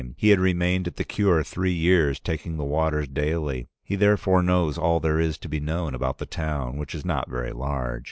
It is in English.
He had remained at the Cure three years, taking the waters daily. He therefore knows about all there is to be known about the town, which is not very large.